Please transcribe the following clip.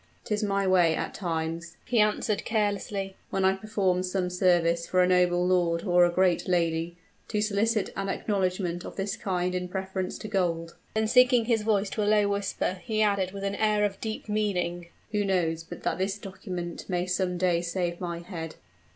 "'Tis my way at times," he answered, carelessly, "when I perform some service for a noble lord or a great lady, to solicit an acknowledgment of this kind in preference to gold." Then, sinking his voice to a low whisper, he added with an air of deep meaning, "Who knows but that this document may some day save my head?"